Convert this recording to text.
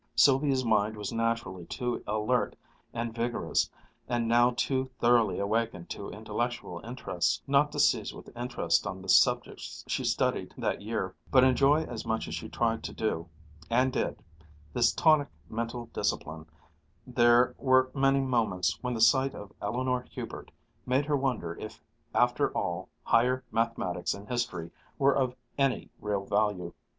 Sylvia's mind was naturally too alert and vigorous, and now too thoroughly awakened to intellectual interests, not to seize with interest on the subjects she studied that year; but enjoy as much as she tried to do, and did, this tonic mental discipline, there were many moments when the sight of Eleanor Hubert made her wonder if after all higher mathematics and history were of any real value.